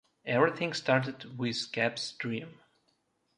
Everything started with Cap’s dream.